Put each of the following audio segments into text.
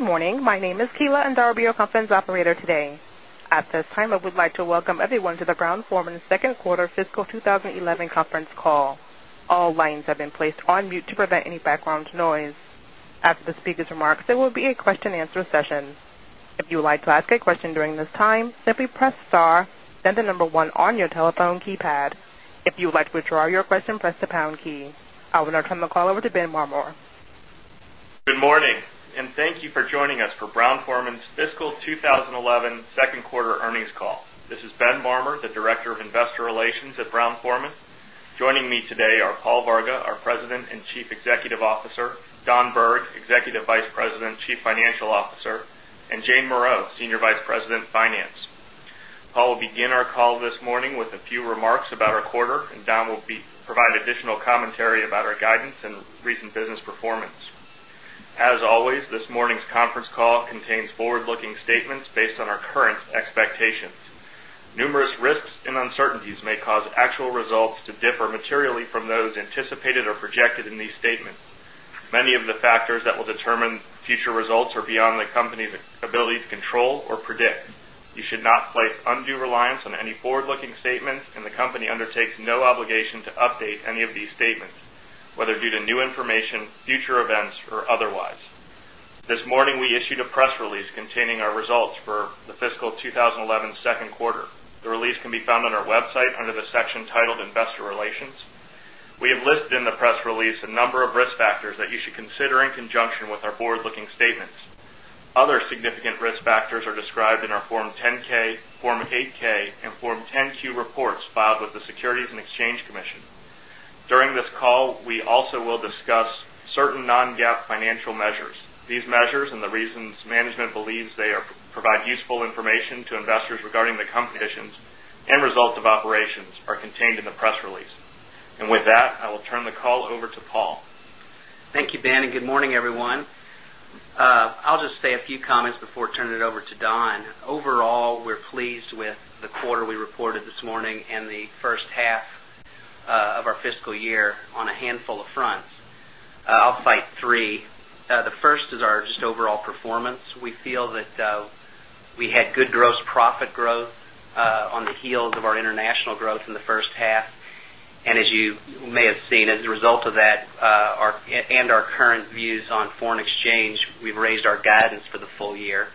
Morning. My name is Keila, and I'll be your conference operator today. At this time, I would like to welcome everyone to the Ground Forman's Second Quarter Fiscal twenty 11 Conference Call. All lines have been placed on mute to prevent any background noise. After the speakers' remarks, there will be a question and answer session. I will now turn the call over to Ben Marmore. Good morning and thank you for joining us for Brown Forman's fiscal 2011 Q2 earnings call. This is Ben Marmor, the Director of Investor Relations at Brown Forman. Joining me today are Paul Varga, our President and Chief Executive Officer Don Berg, Executive Vice President, Chief Financial Officer and Jane Moreau, Senior Vice President, Finance. Our call this morning with a few remarks about our quarter and Don will provide additional commentary about our guidance and recent business performance. As always, this morning's conference call contains forward looking statements based on our current expectations. Numerous risks and uncertainties may cause actual results to differ materially from those anticipated or projected in these statements. Many of the factors that will determine future results are beyond the company's ability to control or predict. You should not place undue reliance on any forward looking statements and the company undertakes no obligation to update any of these statements whether due to new information, future events or otherwise. This morning, we issued a press release containing our results for the fiscal 20 11 Q2. The release can be found on our website under the section titled Investor Relations. We have listed in the press release a number of risk factors that you should consider in conjunction with our forward looking statements. Other significant risk factors are described in our Form 10 ks, Form 8 ks and Form 10 Q reports filed with the Securities and Exchange Commission. During this call, we also will discuss certain non GAAP financial measures. These measures and the reasons management believes they provide useful information to investors regarding conditions and results of operations are contained in the press release. And with that, I will turn the call over to Paul. Thank you, Ben, and good morning, everyone. I'll just say a few comments before turning it over to Don. Overall, we're pleased with the quarter we reported this morning and the first half of our fiscal year on a handful of fronts. I'll fight 3. The first is our just overall performance. We feel that we had good gross profit growth on the heels of our international growth in the first half. And as you may have seen, as a result of that and our current views on foreign exchange, we've raised our guidance for the full year.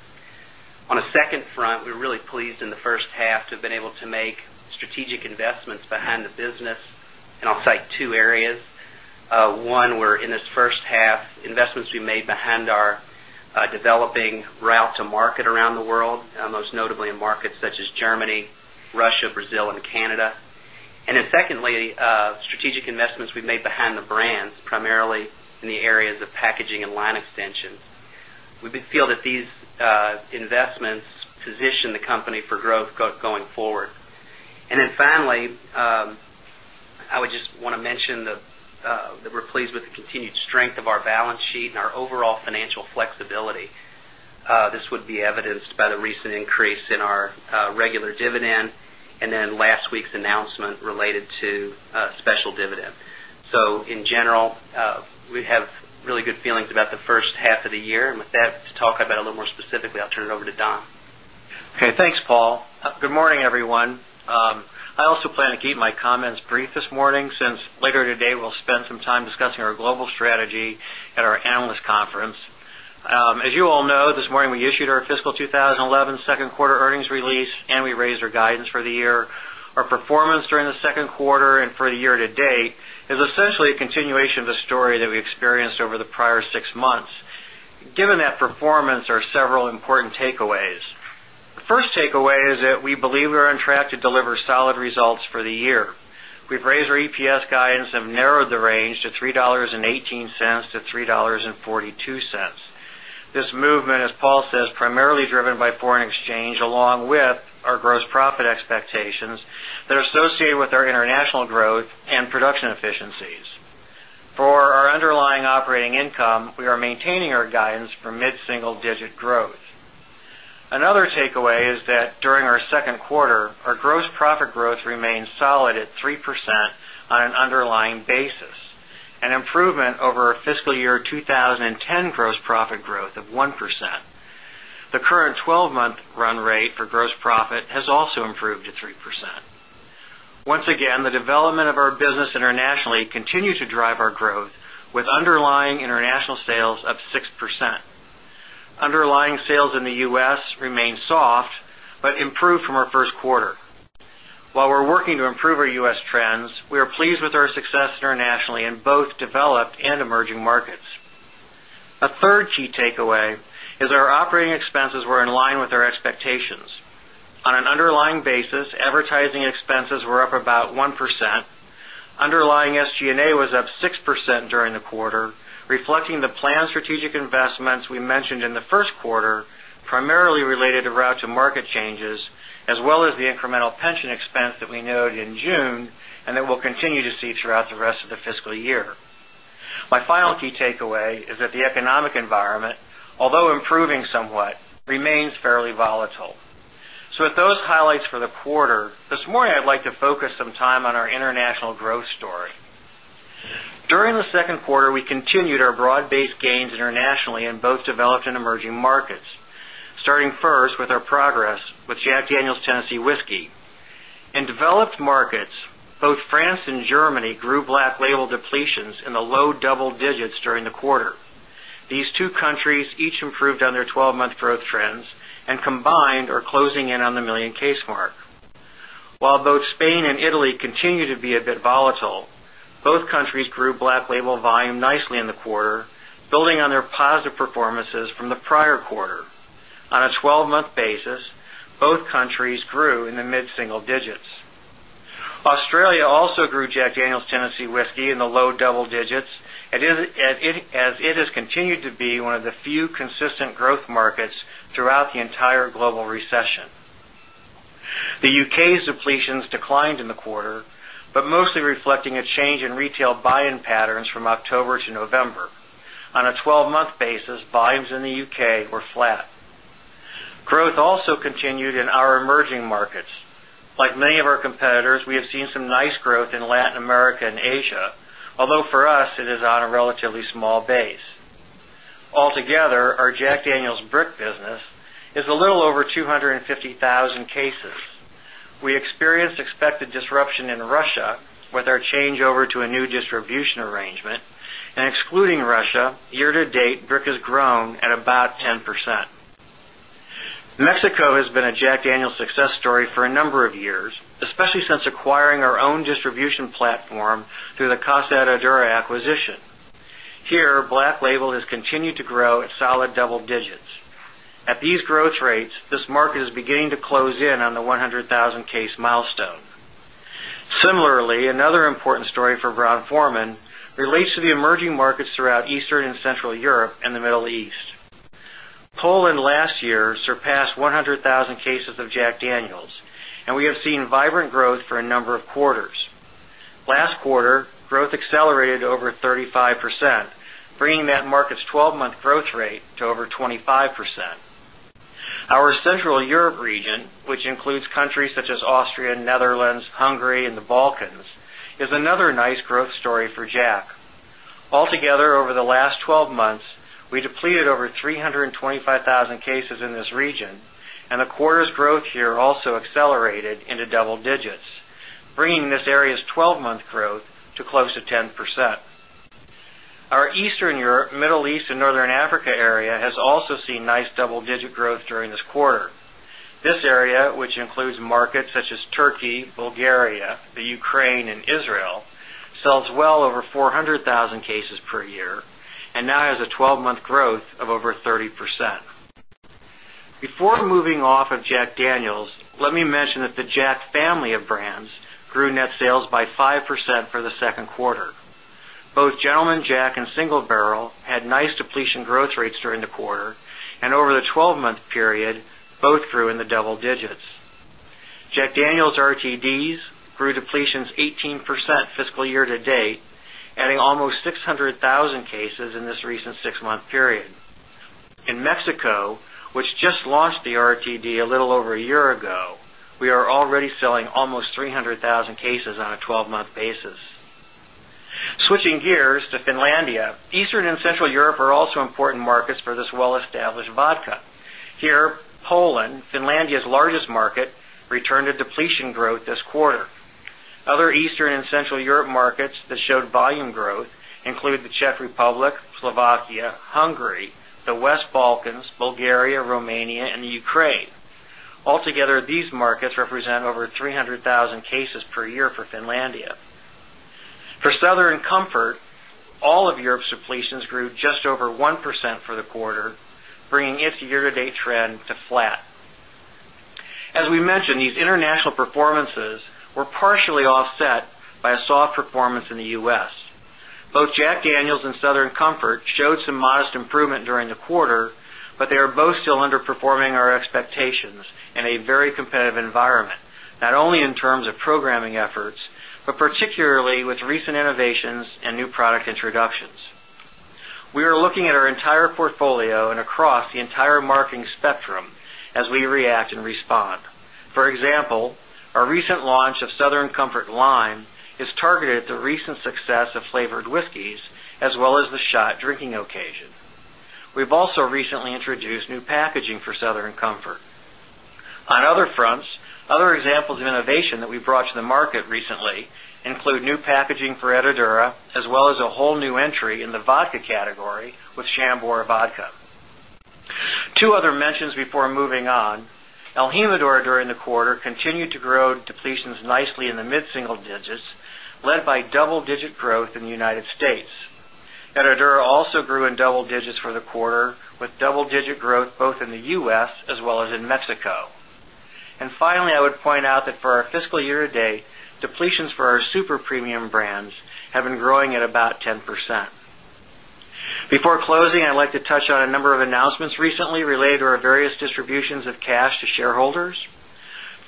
On the second front, we're really pleased in the first half to have been able to make strategic investments behind the business and I'll cite 2 areas. 1, we're in this first half, investments we made behind our developing route to market around the world, most notably in markets such as Germany, Russia, Brazil and Canada. And then secondly, strategic investments we've made behind the brands, primarily in the areas of packaging and line extensions. We feel that these investments position the company for growth going forward. And then finally, I would just want to mention that we're pleased with the continued strength of our balance sheet and our overall financial flexibility. This would be evidenced by the recent increase in our regular dividend and then last week's announcement related to special dividend. So, in general, we have really good feelings about the first half of the year. And with that, to talk about a little more specifically, I'll turn it over to Don. Okay. Thanks, Paul. Good morning, everyone. I also plan to keep my comments brief this morning since later today, we'll spend some time discussing our global strategy at our analyst conference. As you all know, this morning we issued our fiscal 20 11 Q2 earnings release and we raised our guidance for the year. Our performance during the Q2 and for the year to date is essentially a continuation of the story that we experienced over the prior 6 months. Given that performance are several important takeaways. The first takeaway is that we believe we are on track to deliver solid results for the year. We've raised our EPS guidance and narrowed the range to $3.18 to $3.42 This movement, as Paul says, primarily driven by foreign exchange along with our gross profit expectations that are associated with our international growth and production efficiencies. For operating income, we are maintaining our guidance for mid single digit growth. Another takeaway is that during our Q2, our gross profit growth remains solid at 3% on an underlying basis, an improvement over our fiscal year 20 Once again, the development of our business internationally continue to drive our growth with underlying international sales up 6%. Underlying sales in the U. S. Remained soft, but improved from our Q1. While we're working to improve our U. S. Trends, we are pleased with our success internationally in both developed and emerging markets. A third key takeaway is our operating expenses were in line with our expectations. On an underlying basis, advertising expenses were up about 1%, underlying SG and A was up 6% during the quarter, reflecting the planned strategic investments we mentioned in the Q1, primarily related to route to market changes, as well as the incremental pension expense that we noted in June and that we'll continue to see throughout the rest of the fiscal year. My final key takeaway is that the economic environment although improving somewhat remains fairly volatile. So with those highlights for the quarter, this morning I'd like to focus some time on our international growth story. During the Q2, we continued our broad based gains internationally in both developed and emerging markets, starting first with our progress with Jack Daniel's Tennessee Whiskey. In developed markets, both France and Germany grew black label depletions in the low double digits during the quarter. These two countries each improved on their 12 month growth trends and combined are closing in on the 1,000,000 case mark. While both Spain and Italy continue to be a bit volatile, both countries grew Black Label volume nicely in the quarter, building on their positive performances from Tennessee Whiskey in the low double digits as it has continued to be one of the few consistent growth markets throughout the entire global recession. The UK's depletions declined in the quarter, but mostly reflecting a change in retail buying patterns from October to November. On a 12 month basis, volumes in the UK were flat. Growth also continued in our emerging markets. Like many of our competitors, we have seen some nice growth in Latin America and Asia, although for us it is on a relatively small base. All together, our Jack Daniel's Brick business is a little over 250,000 cases. We experienced expected disruption in Russia with our changeover to a new distribution arrangement and excluding Russia year to date Brick has grown at about 10%. Mexico has been a Jack Daniel success story for a number of years, especially since acquiring our own distribution platform through the Casa Similarly, another important story for Brown Forman relates to the emerging markets throughout Eastern and Central Europe and the Middle East. Poland last year surpassed 100,000 cases of Jack Daniels and we have seen vibrant growth for a number of quarters. Last quarter, growth accelerated over 35%, bringing that market's 12 month growth rate to over 25%. Our Central Europe region, which includes countries such as Austria, Netherlands, Hungary and the Balkans is another nice growth story for Jack. Altogether, over the last 12 months, we depleted over 325,000 cases in this region and the quarter's growth here also accelerated into double digits, bringing this area's 12 month growth to close to 10%. Our Eastern Europe, Middle East and Northern Africa area has also seen nice double digit growth during this quarter. This area, which includes markets such as Turkey, Bulgaria, the Ukraine and Israel, sells well over 400,000 cases per year and now has a a family of brands grew net sales by 5% for the 2nd quarter. Both Gentleman Jack and Single Barrel nice depletion growth rates during the quarter and over the 12 month period both grew in the double digits. Jack Daniel's RTDs grew depletions 18% fiscal year to date, adding almost 600,000 cases in this recent 6 month period. In Mexico, which just launched the RTD a little over a year ago, we are already selling almost 300,000 cases on a 12 month basis. Switching gears to Finlandia, Eastern and Central Europe are also important markets for this well established vodka. Here, Poland, Finlandia's largest market returned to depletion growth this quarter. Other Eastern and Central Europe markets that showed volume growth include the Czech Republic, Slovakia, Hungary, the West Balkans, Bulgaria, Romania and the Ukraine. Altogether, these markets for the quarter, bringing its year to date trend to flat. As we mentioned, these international performances were partially offset by a soft performance in the U. S. Both Jack Daniels and Southern Comfort showed some modest improvement during the quarter, but they are both still underperforming expectations in a very competitive environment, not only in terms of programming efforts, but particularly with recent innovations and new product introductions. We are looking at our entire portfolio and across the entire marketing spectrum as we react and respond. For example, our recent launch of Southern Comfort line is targeted at the recent success of flavored whiskeys as well as the shot drinking occasion. We've also recently introduced new packaging for Southern Comfort. On other fronts, other examples of innovation that we brought to the market recently include new packaging for Edadura as well as a whole new entry in the vodka category with Shambhora Vodka. 2 other mentions before moving on. El Jimador during the quarter continued to grow depletions nicely in the mid single digits led by double digit growth in the United States. Enerdura also grew in double digits for the quarter with double digit growth both in Before closing, I Before closing, I'd like to touch on a number of announcements recently related to our various distributions of cash to shareholders.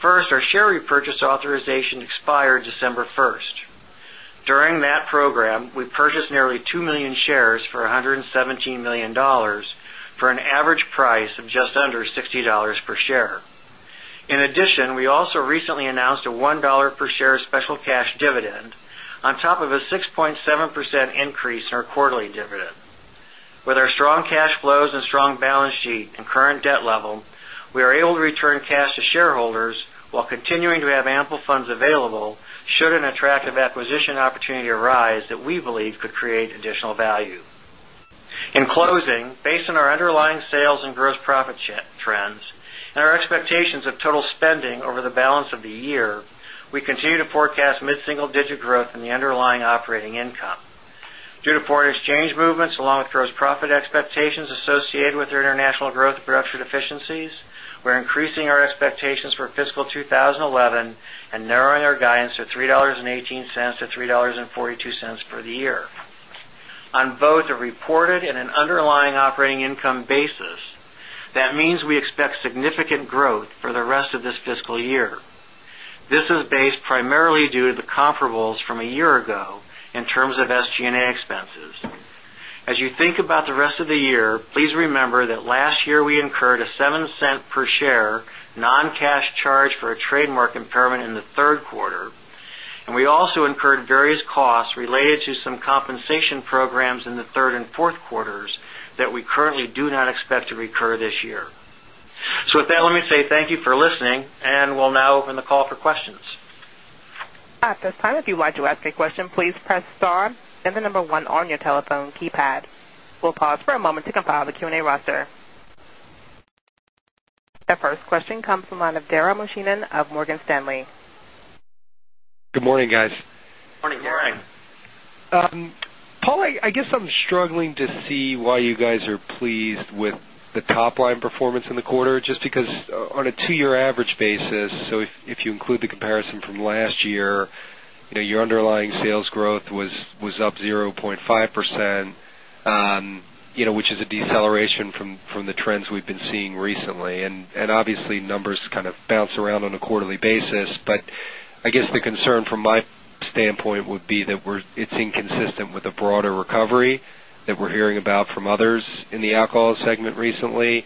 First, our share repurchase authorization price of just under $60 per share. In addition, we also recently announced a $1 per share special cash dividend on level, we are able to return cash to shareholders while continuing to have ample funds available should an attractive acquisition opportunity arise that we believe could create additional value. In closing, based on our underlying sales and gross profit trends and our expectations of total spending over the balance of the year, we continue to forecast mid single digit growth underlying operating income. Due to foreign exchange movements along with gross profit expectations associated with our international growth production efficiencies, we're increasing our expectations for fiscal 2011 and narrowing our guidance to $3.18 to $3.42 for the year. On both a reported and an underlying operating income basis, that means we expect significant growth for the rest of this fiscal year. This is based primarily due to the comparables from a year ago in terms of SG and A expenses. As you think about the rest of the year, please remember that last year we incurred a $0.07 per share non cash charge for a trademark impairment in the Q3 And we also incurred various costs related to some compensation programs in the 3rd and 4th quarters that we currently do not expect to recur this year. So with that, let me say thank you for listening and we'll now open the call for questions. The first question comes from the line of Dara Mohsenian of Morgan Stanley. Good morning, guys. Good morning, Dara. Paul, I guess I'm struggling to see why you guys are pleased with the top line performance in the quarter just because on a 2 year average basis, so if you include the comparison from last year, your underlying sales growth was up 0.5 percent, which is a deceleration from the trends we've been seeing recently. And obviously, numbers kind of bounce around on a quarterly basis. I guess the concern from my standpoint would be that it's inconsistent with a broader recovery that we're hearing about from others in the alcohol segment recently.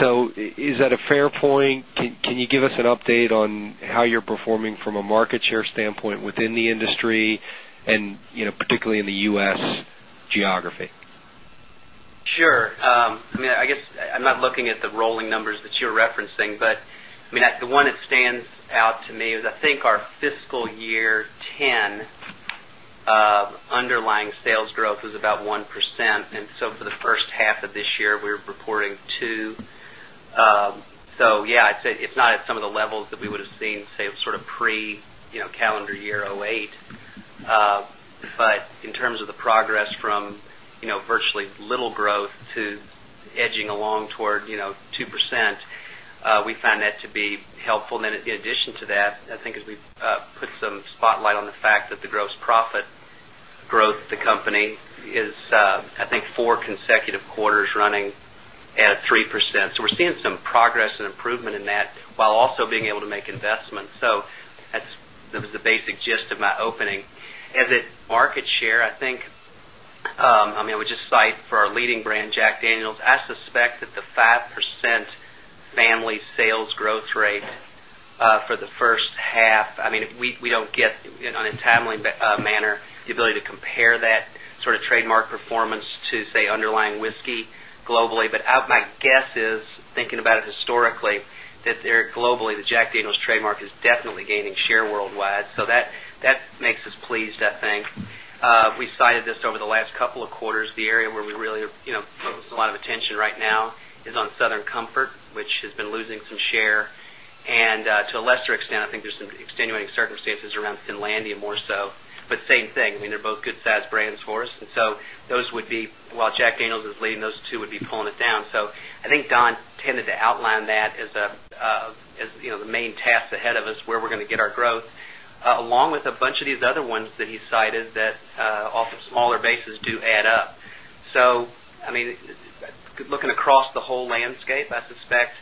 So is that a fair point? Can you give us an update on how you're performing from a market share standpoint within the industry and particularly in the U. S. Geography? Sure. I mean, I guess, I'm not looking at the rolling numbers that you're referencing, but I mean, the one that stands out to me is I think our fiscal year 'ten underlying sales growth was about 1%. And so, for the first half of this year, we're reporting 2. So, yes, I'd say, it's not at some of the levels that we would have seen, say, sort of pre calendar year 'eight. But in terms of the progress from virtually little growth to edging along toward 2%, we find that to be helpful then in addition to that, I think as we put some spotlight on the fact that the gross profit growth of the company is I think 4 consecutive quarters running at 3%. So, we're seeing some progress and improvement in that, while also being able to make investments. So, that was the basic gist of my opening. As a market share, I think, I mean, which is site for our leading brand Jack Daniel's, I suspect that the 5 family sales growth rate for the first half, I mean, we don't get in a timely manner the ability to compare that sort of trademark performance to say underlying whiskey globally. But my guess is thinking about it historically that there globally the Jack Daniel's trademark is definitely gaining share worldwide. So that makes us pleased I think. We cited this over the last couple of quarters, the area where we really put a lot of attention right now is on Southern Comfort, which has been losing some share. And to a lesser extent, I think there's some extenuating circumstances around Finlandia more so, but same thing, I mean, they're both good sized brands for us. And so, those would be, while Jack Daniels is leading, those 2 would be pulling it down. So, I think Don tended to outline that as the main task ahead of us where we're going to get our growth along with a bunch of these other ones that he cited that off of smaller bases do add up. So, I mean, looking across the whole landscape, I suspect,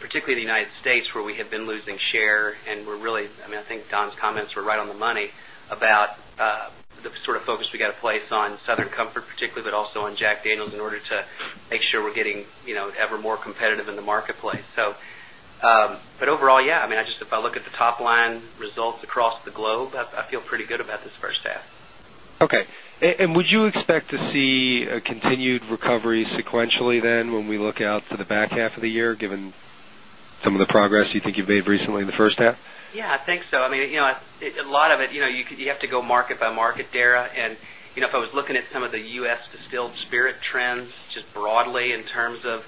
particularly the United States where we have been losing share and we're really, I mean, I think Don's comments were right on the money about the sort of focus we got to place on Southern Comfort, particularly, but also on Jack Daniels in order to make sure we're getting ever more competitive in the marketplace. So, but overall, yes, I mean, I just if I look at the top line results across the globe, I feel pretty good about this first half. Okay. And would you expect to see a continued recovery sequentially then when we look out to the back half of the year given some of the progress you think you've made recently in the first half? Yes, I think so. I mean, a lot of it, you have to go market by market, Dara. And if I was looking at some of the U. S. Distilled spirit trends just broadly in terms of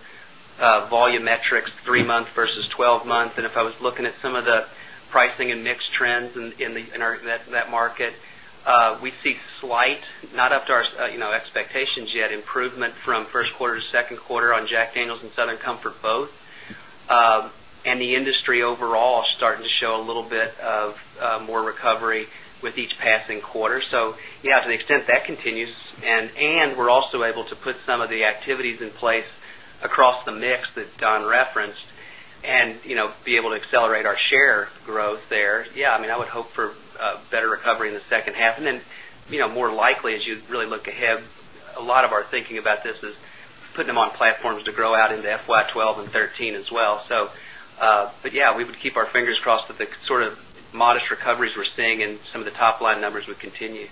volume metrics, 3 months versus 12 months and if I was looking at some of the pricing and mix trends in that market, we slight, not up to our expectations yet improvement from Q1 to Q2 on Jack Daniel's and Southern Comfort both. And the industry overall starting to show a little bit of more recovery with each passing quarter. So, yes, to the extent share growth there. Yes, I mean, I would hope for better recovery in the second half. And then, more likely, as you really look ahead, a lot of our thinking about this is putting them on platforms to grow out in FY 'twelve and 'thirteen as well. So, but yes, we would keep our fingers crossed that the sort of modest recoveries we're seeing in some of the top line numbers would continue.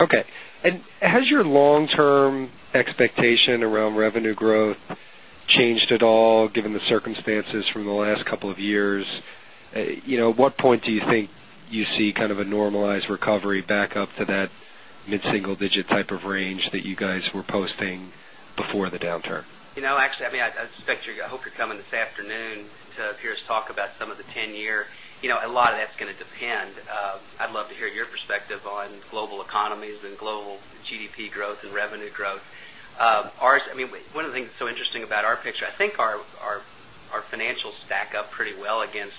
Okay. And has your long term expectation around revenue growth changed at all given the circumstances from the last couple of years. At what point do you think you see kind of a normalized recovery back up to that mid single digit type of range that you guys were posting before the downturn? Actually, I mean, I expect you're going to hope you're coming this afternoon to peers talk about some of the 10 year. A lot of that's going to depend. I'd love to hear your perspective on global economies and global GDP growth and revenue growth. Ours, I mean, one of the things that's so interesting about our picture, I think our financial stack up pretty well against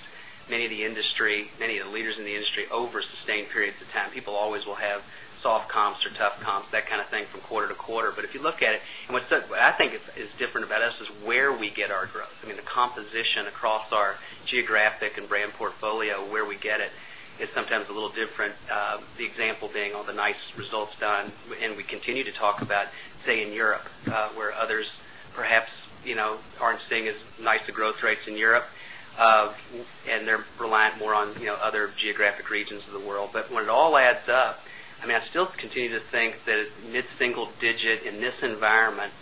many of the leaders in the industry over sustained periods of time. People always will have soft comps or tough comps, that kind of thing from quarter to quarter. But if you look at it, and what I think is different about us is where we get our growth. I mean, the composition across our geographic and brand portfolio, where we get it is sometimes a perhaps aren't seeing as nice growth rates in Europe and they're reliant more on other geographic regions of the world. But when it all adds up, I mean, I still continue to think that mid single digit in this environment,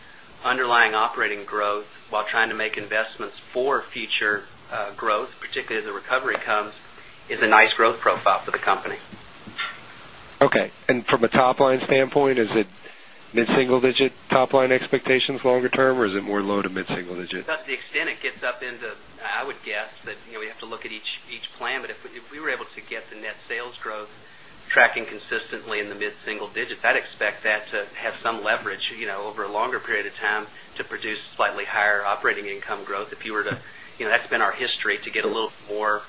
underlying operating growth, while trying to make investments for future growth, particularly as the recovery comes, is a nice growth profile for the company. Okay. And from a top line standpoint, is it mid single digit line expectations longer term or is it more low to mid single digit? That's the extent it gets up into, I would guess, but we have to look at each plan. But if we were able to get the net sales growth tracking consistently in the mid single digit, I'd expect that to have some leverage over a longer period of time to produce slightly higher operating income growth if you were to that's been our history to get a little more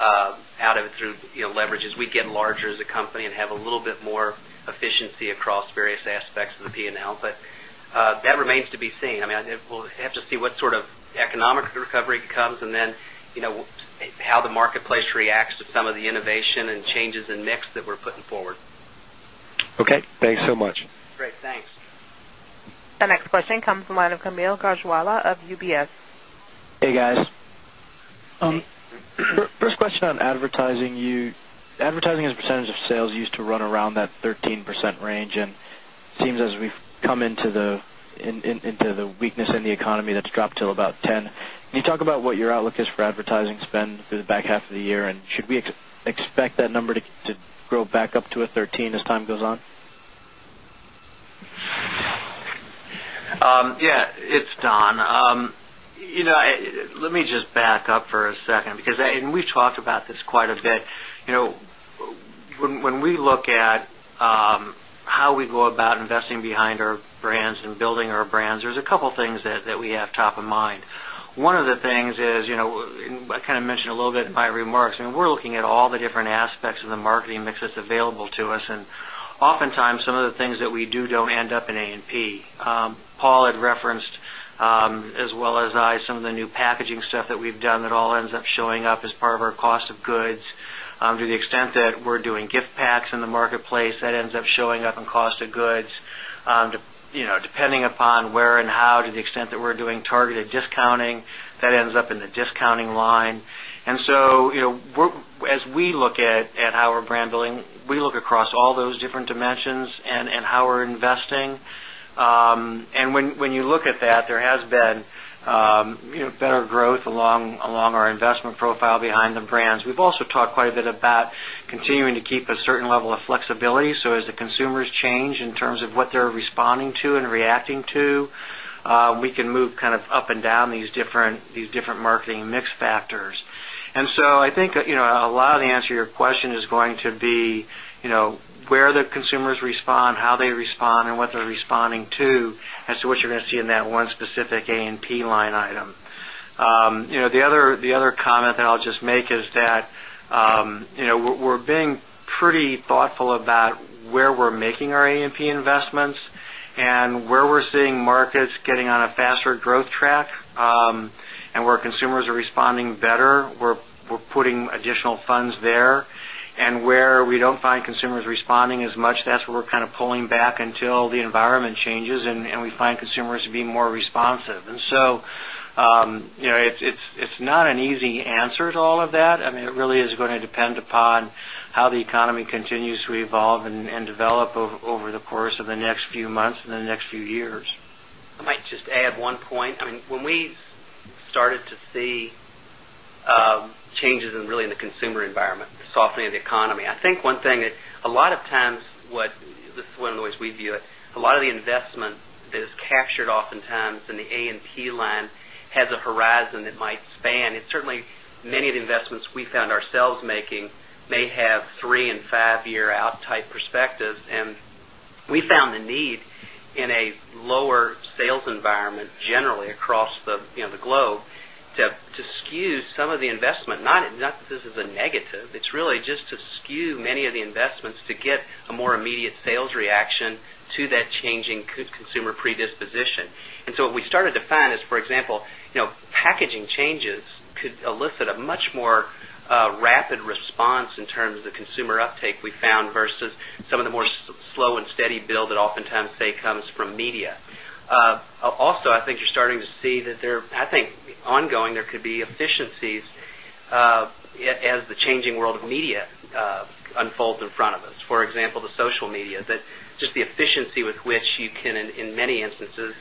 out of it through leverage as we get larger as a company and have a little bit more efficiency across various aspects of the P and L. But that remains to be seen. I mean, we'll have to see what sort of economic recovery comes and then how the marketplace reacts to some of the innovation and changes in mix that we're putting forward. Okay. Thanks so much. Great. Thanks. The next question Kamil Gajwala of UBS. Hey, guys. First question on advertising. Advertising as a percentage of sales used run around that 13% range and seems as we've come into the weakness in the economy that's dropped to about 10%. Can you talk about what your outlook is for advertising spend through the back half of the year and should we expect that number to grow back up to a 13% as time goes on? Yes, it's Don. Let me just back up for a second, because and we've talked about this quite a bit. When we look at how we go about investing behind our brands and building our brands, there is a couple of things that we have top of mind. One of the things is, I kind of mentioned a little bit in my remarks, we're looking at all the different aspects of the marketing mix that's available to us. And oftentimes, some of the things that we do don't end up in A and P. Paul had referenced, as well as I some of the new packaging stuff that we've done that all ends up showing up as part of our cost of goods. To the extent that we're doing gift packs in the marketplace that ends up showing up in cost of goods depending upon where and how to the extent that we're doing targeted discounting that ends up in the discounting line. And so, as we look at how we're brand building, we look across all those different dimensions and how we're investing. And when you look at that, there has been better growth along our investment profile behind the brands. We've also talked quite a bit about continuing to keep a certain level of flexibility. So as the consumers change in terms of what they're responding to and a lot of the answer to your question is going to be where the consumers respond, how they respond and what they're responding to as to what you're going to see in that one specific A and P line item. The other comment that I'll just make is that we're being pretty thoughtful about where we're making our A and P investments and where we're seeing markets getting on a faster growth track and where consumers are responding better, we're putting additional funds there and where we don't find consumers responding as much that's where we're kind of pulling back until the environment changes and we find consumers to be more responsive. And so, it's not an easy answer to all of that. I mean, it really is going to depend upon how the economy continues to evolve and develop over the course of the next few months and the next few years. I might just add one point. I mean, when we started to see changes in really in the consumer environment, softening of the economy, I think one thing that a lot of times what this is one of the ways we view it, a lot of the investment that is captured oftentimes in the A and P line has a horizon that might span. It's certainly many of the investments we found ourselves making may have 3 5 year out type perspectives and we found the need in a lower sales environment generally across the globe to skew some of the investment, not that this is a negative, it's really just to skew many of the investments to get a more immediate sales reaction to that changing consumer predisposition. And so, what we started to find is, for example, packaging changes could elicit a much more rapid response in terms of the consumer uptake we found versus some of the more slow and steady build that oftentimes they comes from media. Also, I think you're starting to see that there I think ongoing there could be efficiencies as the changing world of media unfolds in front of us. For example, the social media that just the efficiency with which you can in many instances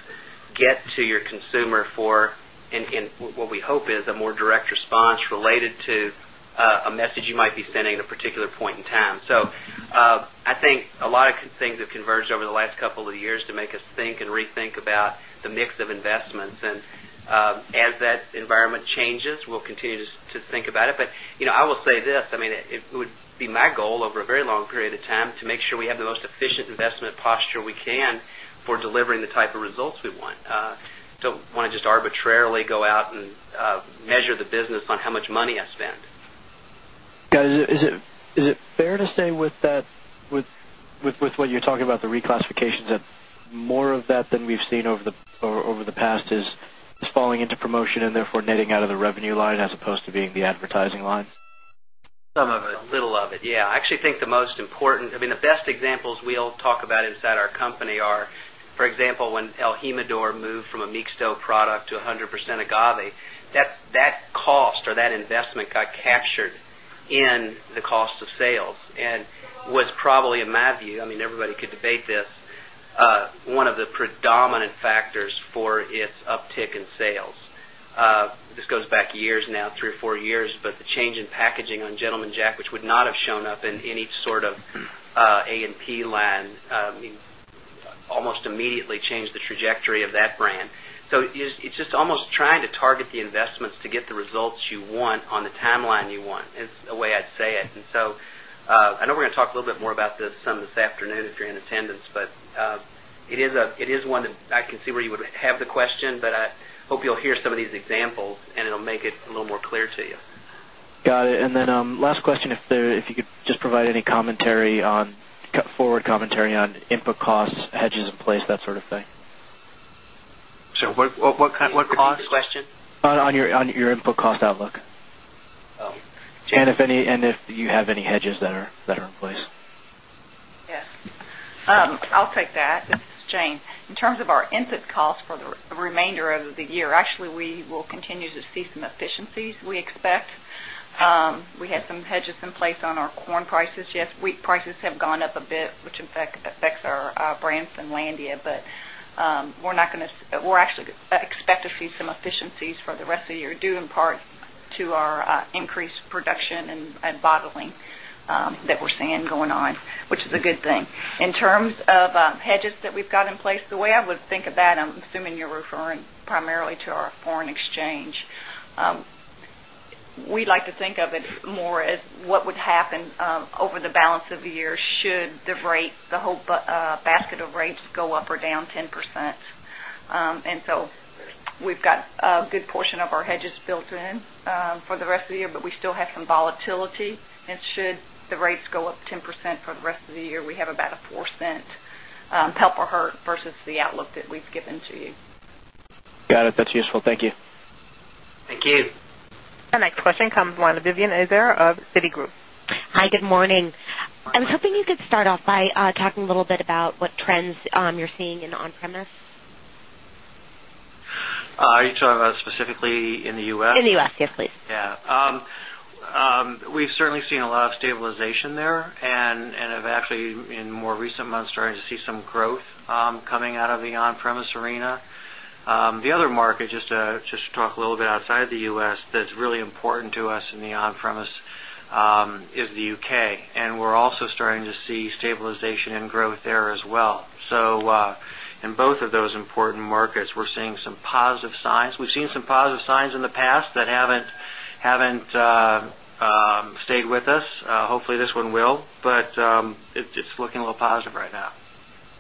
get to your consumer for and what we hope is a more direct response related to a message you might be sending at a particular point in time. So, I think a lot of things have converged over the last couple of years to make us think and rethink about the mix of investments. And as that environment can for delivering the type of results we want can for delivering the type of results we want. So, I want to just arbitrarily go out and measure the business on how much money I spend. Got it. Is it fair to say with what you're talking about the reclassifications that more of that than we've seen over the past is falling into promotion and therefore netting out of the revenue line as opposed to being the advertising line? Some of it. A little of it, yes. I actually think the most important, I mean, the best examples we'll talk about is that our company are, for example, when El Jimador moved from a Mixto product to 100% agave, that cost or that investment got captured in the cost of sales and was probably a math view, I mean, everybody could debate this, one of the predominant factors for its uptick in sales. This goes back years now, 3 or 4 years, but the change in packaging on Gentleman Jack, which would not have shown up in any sort of A and P line, almost immediately changed the trajectory of that brand. So, it's just almost trying to target the investments to get the results you want on the timeline you want is the way I'd say it. And so, I know we're going to talk a little bit more about this some this afternoon if you're in attendance, but it is one that I can see where you would have the question, but I hope you'll hear some of these examples and it'll make it a little more clear to you. Got it. And then last if you could just provide any commentary on forward commentary on input costs, hedges in place, that sort of thing? So what kind of cost? On your input cost outlook. And if you have any hedges that are in place? Yes. I'll take that. This is Jane. In terms of our input costs for the remainder of the year, actually we will continue to see some efficiencies we expect. We had some hedges in place on our corn prices. Yes, wheat prices have gone up a bit, which in fact affects our brands and Landia. But we're not going to we're actually expect to see some efficiencies for the rest of the year due in part to our increased production and bottling that we're seeing going on, which is a good thing. In terms of hedges that we've got in place, the way I would think about, I'm assuming you're referring primarily to our foreign exchange. We'd like to think of it more as what would happen over the balance of the year should the rate, the whole basket of rates go up or down 10%. And so we've got a good portion of our hedges built in for the rest of the year, but we still have some volatility. And should the rates go up 10% for the rest of the year, we have about a $0.04 help or hurt versus the outlook that we've given to you. Got it. That's useful. Thank you. Thank you. The next question comes from the line of Vivien Azer of Citigroup. Hi, good morning. I'm hoping you could start off by talking a little bit about what trends you're seeing in on premise? Are you talking about specifically in the U. S? In the U. S, yes please. Yes. We've certainly seen a lot stabilization there and have actually in more recent months starting to see some growth coming out of the on premise arena. The other market, just to talk a little bit outside of the U. S, that's really important to us in the on premise is the U. K. And we're also starting to see stabilization and growth there as well. So in both of those important markets, we're seeing some positive signs. We've seen some positive signs in the past that haven't stayed with us. Hopefully, this one will, but it's looking a little positive right now.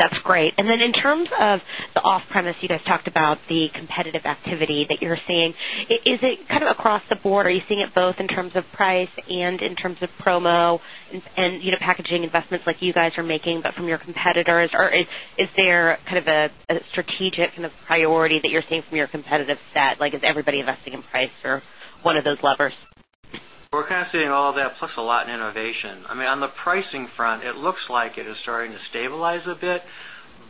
And then in terms of the off premise, you guys talked about the competitive activity that you're seeing. Is it kind of across the board? Are you seeing it both in terms of price and in terms of promo and packaging investments like you guys are making, but from your competitors? Or is there kind of strategic kind of priority that you're seeing from your competitive set, like is everybody investing in price or one of those levers? We're kind of seeing all of that plus a lot in innovation. I mean on the pricing front, it looks like it is starting to stabilize a bit,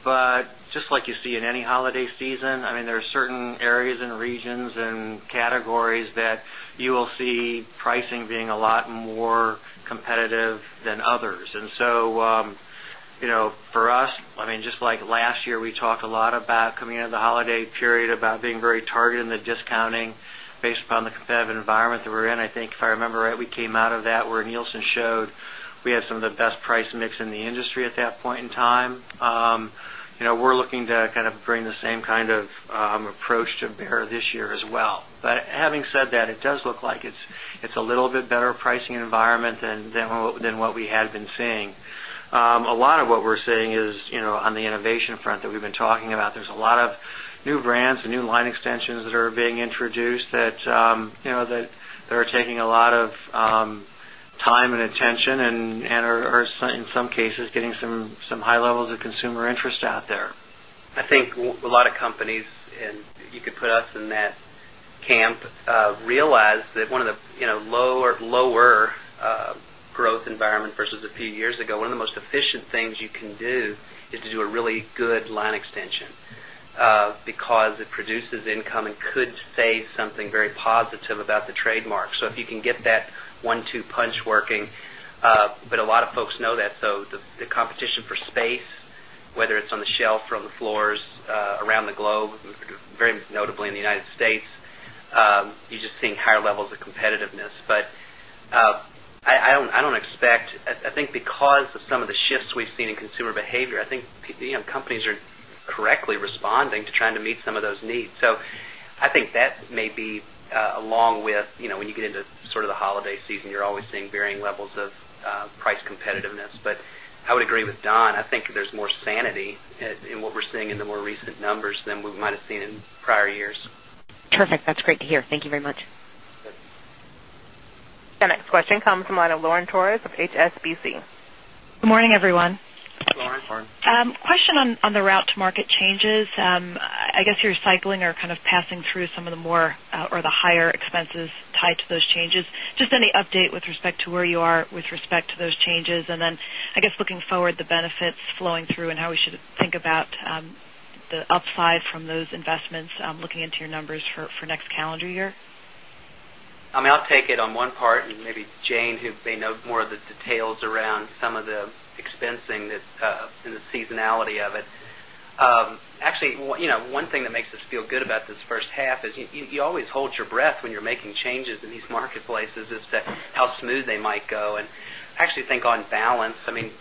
but just like you see in any holiday season, I mean there are certain areas and regions and categories that you will see pricing being a lot more competitive than others. And so, for us, I mean, just like last year, we talked a lot about coming into the holiday period about being very targeted in the discounting based upon the environment that we're in. I think if I remember right, we came out of that where Nielsen showed we had some of the best price mix in the industry at that point in time. We're looking to kind of bring the same kind of approach to bear this year as well. But having said that, it does look like it's a little bit better pricing environment than what we had been seeing. A new line extensions that are being introduced that, that and new line extensions that are being introduced that are taking a lot of time and attention and are in some cases getting some high levels of consumer interest out there. I think a lot of companies and you could put us in that camp realize that one of the lower growth environment versus a few years ago, one of the most efficient things you can do is to do a really good line extension, because it produces income and could say something very positive about the trademark. So, if you can get that 1, 2 punch working, but a lot of folks know that. So, the competition for space, whether it's on the shelf or on the floors around the globe, very notably in the United States, you're just seeing higher levels of competitiveness. But I don't expect, I think because of some of the shifts we've seen in consumer behavior, I think companies are correctly responding to trying to meet some of those needs. So, I think that maybe along with when you get into sort of the holiday season, you're always seeing varying levels of price competitiveness. But I would agree with Don, I think there's more sanity in what we're seeing in the more recent numbers than we might have seen in prior years. The next question comes from the line of Lauren Torres of HSBC. Question on the route to market changes. I guess you're cycling or kind of passing through some of the more or the higher expenses tied to those changes. Just any update with respect to where you are with respect to those changes? And then I guess looking forward the benefits flowing through and how we should think about the upside from those investments looking into your numbers for next calendar year? I mean, I'll take it on one part and maybe Jane who may know more of the details around some of the expensing and the seasonality of it. Actually, one thing that makes us feel good about this first half is you always hold your breath when you're making changes in these marketplaces is that how smooth they might go. And actually think on balance, I mean,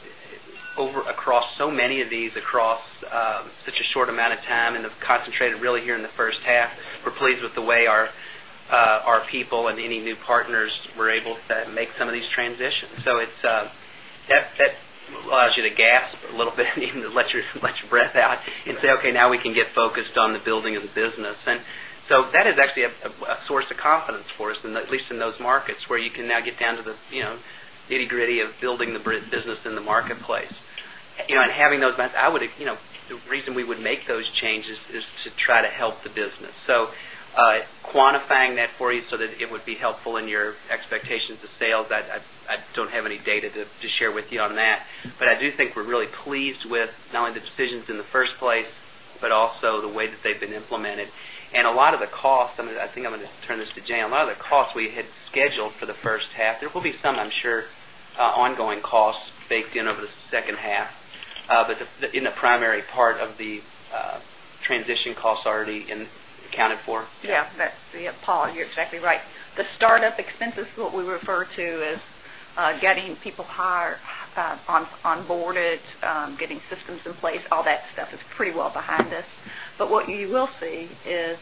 over across so many of these across such a short amount of time and have concentrated really here in the first half. We're pleased with the way our people and any new partners were able to make some of these transitions. So, it's that allows you to gasp a little bit and even let your breath out and say, okay, now we can get focused on the building of the business. And so, that is actually a source of confidence for us and at least in those markets where you can now get down to the nitty gritty of the business in the marketplace. And having those, I would the reason we would make those changes is to try to help the business. So quantifying that for you, so that it would be helpful in your expectations of sales, I don't have any data to share with you on that. But I do think we're really pleased with not only the decisions in the first place, but also the way that they've been implemented. And a lot of the costs, I think I'm going to turn this to Jay, a lot of the costs we had scheduled for the first half, there will be some I'm sure ongoing costs baked in over the second half, but in the primary part of the transition costs already accounted for. Yes, Paul, you're exactly right. The start up expenses, what we refer to is getting people hired on boarded, getting systems in place, all that stuff is pretty well behind us. But what you will see is,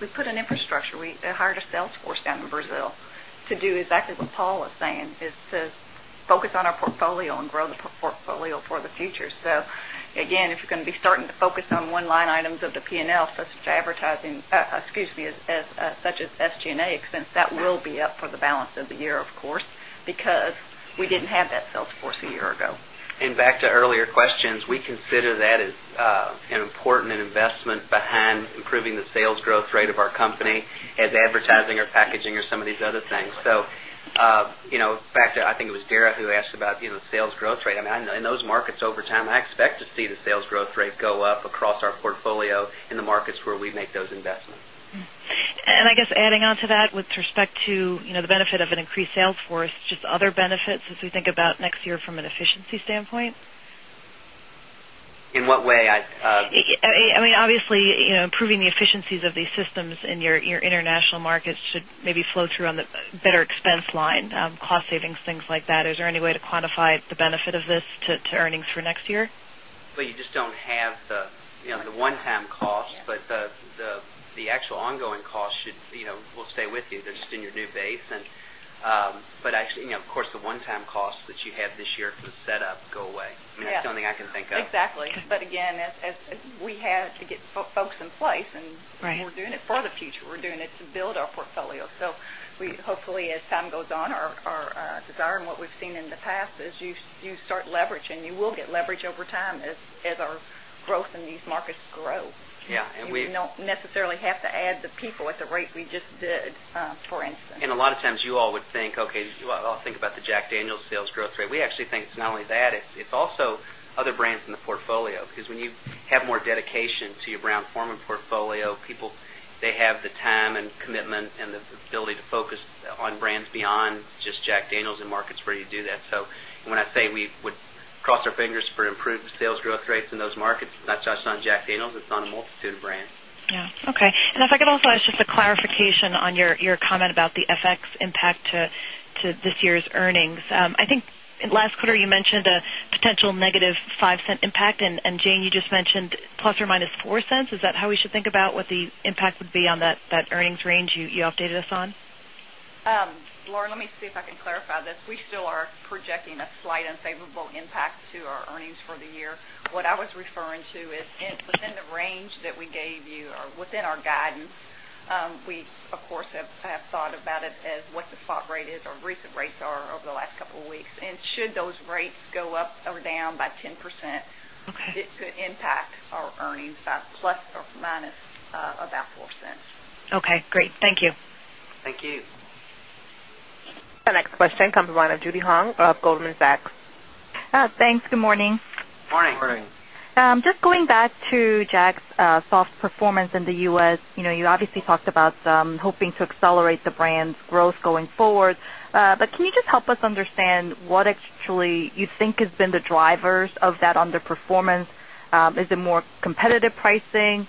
we put an infrastructure, we hired a sales force down in Brazil to do exactly what Paul is saying is to focus on our portfolio and grow the portfolio for the future. So again, if you're going to be starting to focus on one line items of the P and L such as advertising excuse me, such as SG and A expense that will be up for the balance of the year, of course, because we have that sales force a year ago. And back to earlier questions, we consider that as an important investment behind improving the sales growth rate of our company as advertising or packaging or some of these other things. So, in fact, I think it was Derek who asked about sales growth rate. I mean, in those markets over time, I expect to see the sales growth rate go up across our portfolio in the markets where we make those investments. And I guess adding on to that with respect to the benefit of an increased sales force, just other benefits as we think about next year from an efficiency standpoint? In what way? I mean, obviously, improving the efficiencies of these systems in your international markets should maybe flow through on the better expense line, cost savings, things like that. Is there any way to quantify the benefit of this to just in your new base. And but actually, of course, the one time cost, but the actual ongoing cost should will stay with you, just in your new base. And but actually, of course, the one time costs that you have this year to set up go away. I mean, that's the only thing I can think of. Exactly. But again, as we had to get folks in place and we're doing it for the future, we're doing it to build our portfolio. So we hopefully as time goes on, our desire and what we've seen in the past is you start leveraging, you will get leverage over time as our growth in these markets grow. Yes. And we We don't necessarily have to add the people at the rate we just did for instance. And a lot of times you all would think, okay, I'll think about the Jack Daniel sales growth rate. We actually think it's not only that, it's also other brands in the portfolio, because when you have more dedication to your Brown Forman portfolio, people, they have the time and commitment and the ability to focus on brands beyond just Jack Daniel's and markets where you do that. So, when I say we would cross our fingers for improved sales growth rates in those markets, not just on Jack Daniel's, it's on a multitude of brands. Yes, okay. And if I could also ask just a clarification on your comment about the FX impact to this year's earnings. I think in $5 impact and Jane you just mentioned plus or minus $0.04 Is that how we should think about what the impact would be on that earnings range you updated us on? Lauren, let me see if I can clarify this. We still are projecting a slight unfavorable impact to our earnings for the year. What I was referring to is within the range that we gave you or within our guidance, we of course have thought about it as what the spot rate is or recent rates are over the last couple of weeks. And should those rates go up or down by 10%, it could impact our earnings by plus or minus about $0.04 Okay, great. Thank you. Thank you. The next question comes from the line of Judy Hong of Goldman Sachs. Thanks. Good morning. Good morning. Just going back to Jack's soft performance in the U. S, you obviously talked about hoping to accelerate the brand's growth going forward. But can you just help us understand what actually you think has been the drivers of that underperformance? Is it more competitive pricing?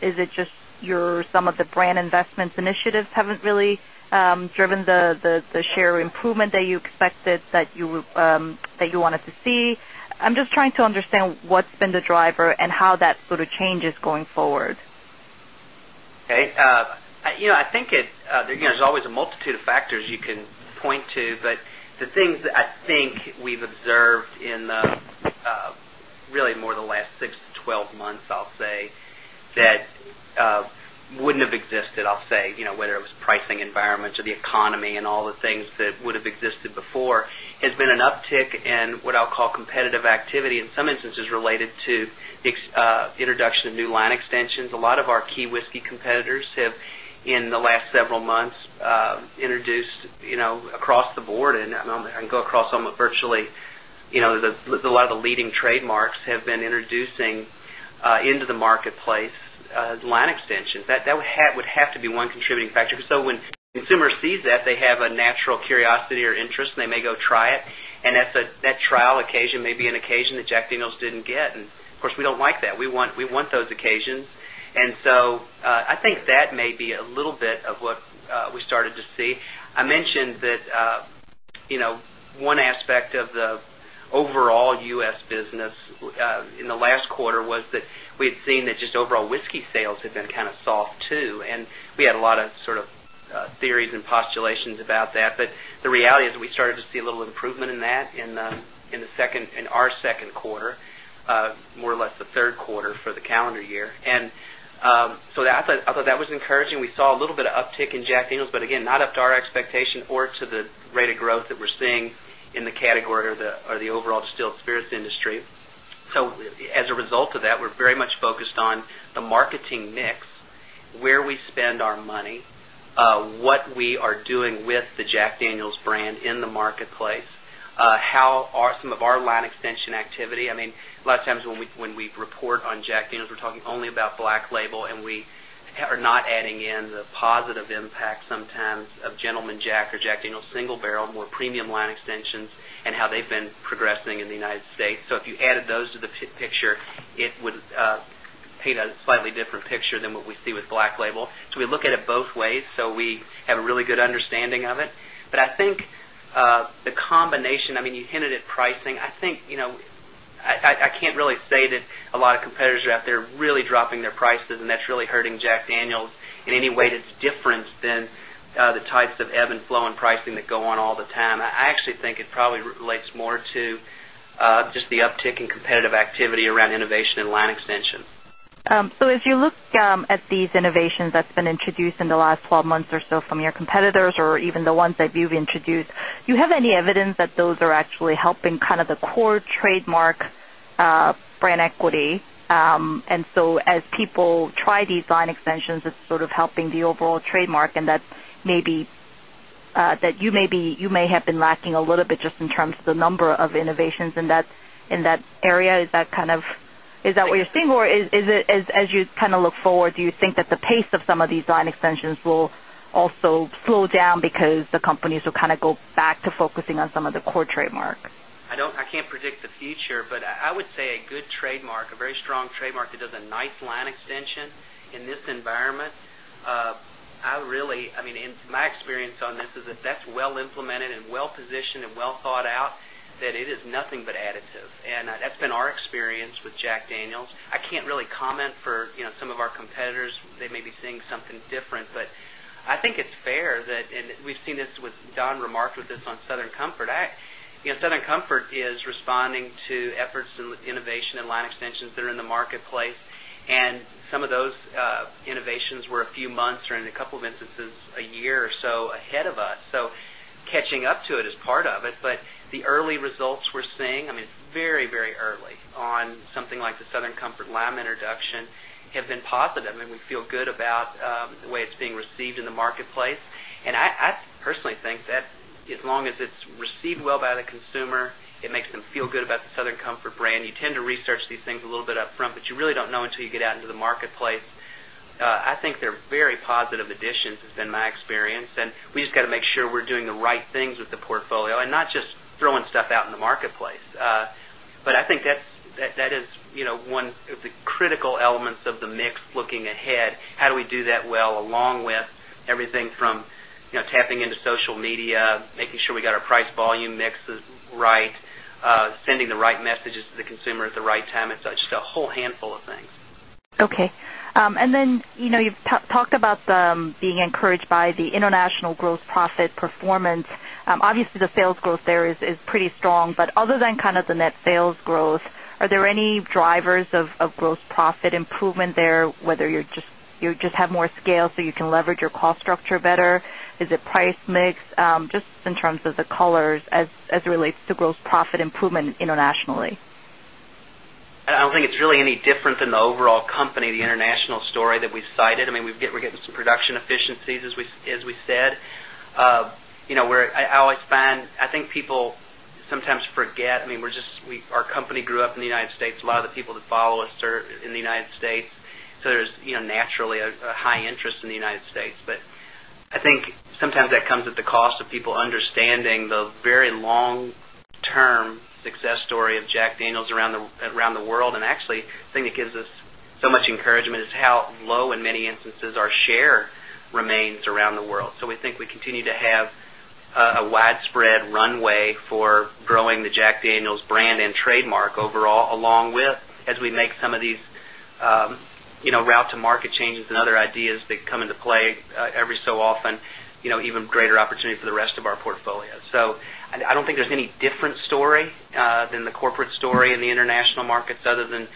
Is it just your some of the brand investments initiatives haven't really driven the share improvement that you expected that you wanted to see? I'm just trying to understand what's been the driver how that sort of changes going forward? I think it there is always a multitude of factors you can point to, but the things I think we've observed in really more the last 6 to 12 months, I'll say, that wouldn't have existed, I'll say, whether it was pricing environment or the economy and all the things that would have existed before has been an uptick in what I'll call competitive activity in some instances related to the introduction of new line extensions. A lot of our key whiskey competitors have in the last several months introduced across the board and go across virtually, a lot of the leading trademarks have been introducing into the marketplace line extensions that would have to be one contributing factor. So, when consumer sees that they have a natural curiosity or interest, they may go try it. And that trial occasion may be an occasion that Jack Daniel's didn't get. And of course, we don't like that. We want those occasions. And so, I think that may be a little bit of what we started to see. I mentioned that one aspect of the overall U. S. Business in the last quarter was that we had seen that just overall whiskey sales have been kind soft too and we had a lot of sort of theories and postulations about that. But the reality is we started to see a little improvement in that in the second in our Q2, more or less the Q3 for the calendar year. And so, that was encouraging. We saw a little bit of uptick in Jack Daniel's, but again, not up to our expectation or to the rate of growth that we're seeing in the category or the overall distilled spirits industry. So, as a result of that, we're very much focused on the marketing mix, where we spend our money, what we are doing with the Jack Daniels brand in the marketplace, how are some of our line extension activity. I mean, last time when we report on Jack Daniel's, we're talking only about Black Label and we are not adding in the positive impact sometimes of Gentleman Jack or Jack single barrel more premium line extensions and how they've been progressing in the United States. So, if you added those to the picture, it would paint a slightly different picture than what we see with Black Label. So, we look at it both ways. So, we have a really good understanding of it. But I think the combination, I mean, you hinted at pricing, I think, I can't really say that a lot of competitors are out there really dropping their prices and that's really hurting Jack Daniels in any way that's different than the types of ebb and flow and pricing that go on all the time. I actually think it probably relates more to just the uptick in competitive activity around innovation in line extension. So, as you look at these innovations that's been introduced in the last 12 months or so from your competitors or even the ones that you've introduced, do you have any evidence that those are actually helping kind of the core trademark brand equity? And so as people try these line extensions, it's sort of helping the overall trademark and that maybe that you may be you may have been lacking a little bit just in terms of the number of innovations in that area? Is that kind of is that what you're seeing? Or is it as you kind of look forward, do you think that the pace of some of these line extensions will also slow down because the companies will kind of go back to focusing on some of the core trademark? I don't I can't predict the future, but I would say a good trademark, a very strong trademark that does a nice line extension in this environment. I really, I mean, my experience on this is that that's well implemented and well positioned and well thought out that it is nothing but additive. And that's been our experience with Jack Daniels. I can't really comment for some of our competitors. They may be seeing something different. But I think it's fair that and we've seen this with Don remarked with this on Southern Comfort. Southern Comfort is responding to efforts in innovation and line extensions that are in the marketplace. And some of those innovations were a few months or in a couple of instances a year or so ahead of us. So, catching up to it is part of it. But the early results we're seeing, I mean, very, very early on something like the Southern Comfort Lyme introduction have have been positive and we feel good about the way it's being received in the marketplace. And I personally think that as long as it's positive additions has been my experience and we just got to make sure we're doing the very positive additions, it's been my experience and we just got to make sure we're doing the right things with the portfolio and not just throwing stuff out in the marketplace. But I think that is one of the critical elements of the mix looking ahead, how do we do that well along with everything from tapping into social media, Okay. And Okay. And then, you've talked about being encouraged by the international gross profit performance. Obviously, the sales growth there is pretty strong, But other than kind of the net sales growth, are there any drivers of gross profit improvement there, whether you just have more scale so you can leverage your cost structure better? Is it price mix? Just in terms of the colors as it relates to gross profit improvement internationally. I don't think it's really any different than the overall company, the international story that we cited. I mean, we're getting some production efficiencies as we said. I always find, I think people sometimes forget, I mean, we're just our company grew up in the United States, a lot of the people that follow us are in the United States. So, there is naturally a high interest in the United States. But I think sometimes that comes at the cost of people understanding the very long term success story of Jack Daniels around the world and actually thing that gives us so much encouragement is how low in many instances our share remains around the world. So, we think we continue to have a widespread runway for growing the Jack Daniel's brand and trademark overall along with as we make some of these route to market changes and other ideas that come into play every so often, even greater opportunity for the rest of our portfolio. So, I don't think there's any different story than the corporate story in the international markets other than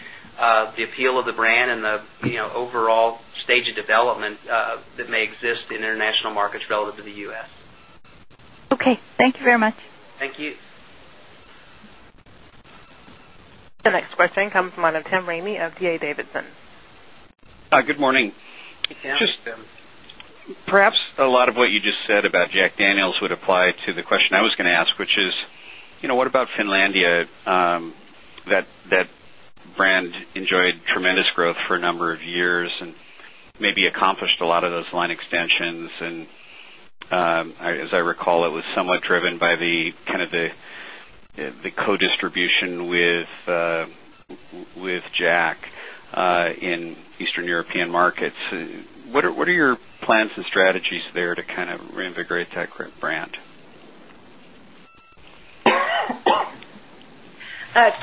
the appeal of the brand and the overall stage of development that may exist in international markets relative to the U. S. Okay. Thank you very much. Thank you. The next question comes from the line of Tim Ramey of D. A. Davidson. Good morning. Hi, Tim. Just perhaps a lot of what you just said about Jack Daniels would apply to the question I was going to ask, which is, what about Finlandia? That brand enjoyed tremendous growth for a number of years and maybe accomplished a lot of those line extensions. And as I recall, it was somewhat driven by the kind of the co distribution with JAK in Eastern European markets. What are your plans and strategies there to kind of reinvigorate that brand?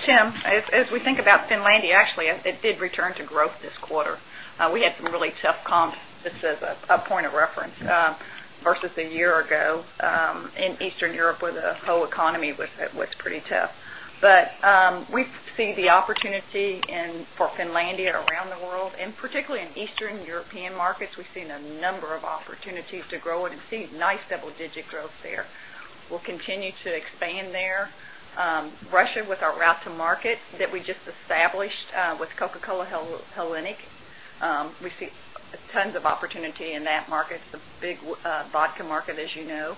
Tim, as we think about Finlandia, actually, it did return to growth this quarter. We had some really tough comps, this is a point of reference, versus a year ago in Eastern Europe with a whole economy, which was pretty tough. But we see the opportunity for Finlandia around the world and particularly Eastern European markets, we've seen a number of opportunities to grow and see nice double digit growth there. We'll continue to expand there. Russia with our route to market that we just established with Coca Cola Hellenic, we see tons of opportunity in that market, the big vodka market, as you know,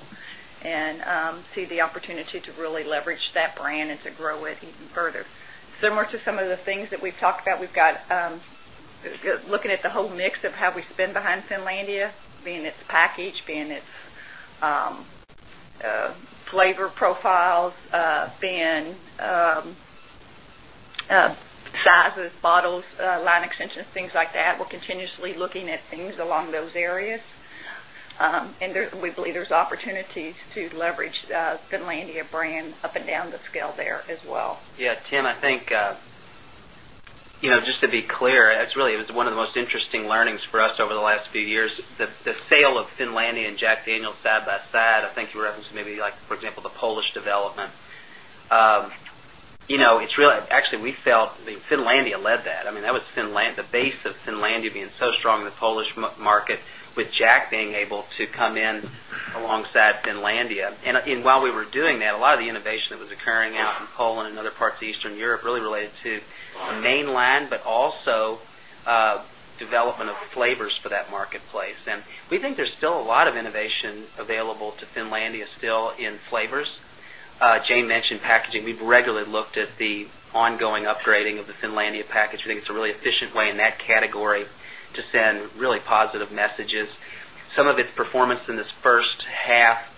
and see the opportunity to really leverage that brand and to grow it even further. So much of some of the things that we've talked about, we've got looking at the whole mix of how we spend behind Finlandia, being its package, being its flavor profiles, being sizes, bottles, line extensions, things like that. We're continuously looking at things along those areas. And we believe there's opportunities to leverage Finlandia brand up and down the scale there as well. Yes, Tim, I think just to be clear, it's really it was one of the most interesting learnings for us over the last few years, the sale of Finlandia and Jack Daniel side by side, I think you referenced maybe like for example the Polish development. It's really actually we felt Finlandia led that. I mean, that was Finlandia, the base of Finlandia being so strong in the Polish market with Jack being able to come in along side Finlandia. And while we were doing that, a lot of the innovation that was occurring out in Poland and other parts of Eastern Europe really related to mainland, but also development of flavors for that marketplace. And we think there's still a lot of innovation available to Finlandia still in flavors. Jane mentioned packaging, we've regularly looked at the ongoing upgrading of the Finlandia package. I think it's a really efficient way in that category to really positive messages. Some of its performance in this first half,